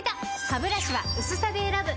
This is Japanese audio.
ハブラシは薄さで選ぶ！